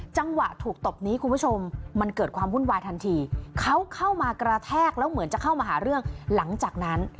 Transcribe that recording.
จังหวะถูกตบนี้คุณผู้ชมมันเกิดความวุ่นวายทันทีเขาเข้ามากระแทกแล้วเหมือนจะเข้ามาหาเรื่องหลังจากนั้น